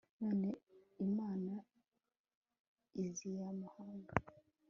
none imana iziye amahanga